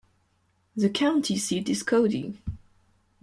The county seat is Cody.